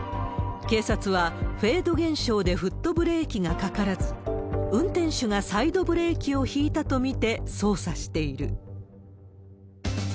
警察は、フェード現象でフットブレーキがかからず、運転手がサイドブレーキを引いたと見て捜査している。